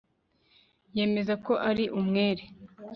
yemeza ko ari umwere